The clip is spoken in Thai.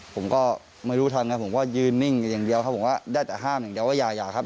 ผมก็ไม่รู้ทันไงผมก็ยืนนิ่งอย่างเดียวครับผมก็ได้แต่ห้ามอย่างเดียวว่าอย่าครับ